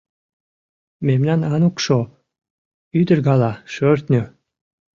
Мемнан Анукшо — ӱдыр гала, шӧртньӧ!